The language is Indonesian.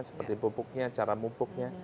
seperti pupuknya cara pupuknya